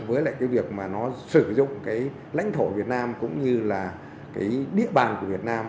với việc sử dụng lãnh thổ việt nam cũng như địa bàn của việt nam